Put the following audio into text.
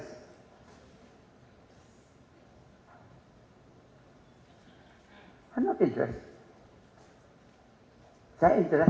saya tidak berinteres